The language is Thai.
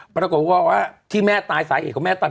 ปรากฏว่าที่แม่ตายสายเอกว่าแม่ตาย